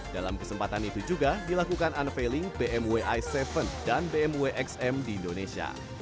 dalam kesempatan itu juga dilakukan unveiling bmw i tujuh dan bmw xm di indonesia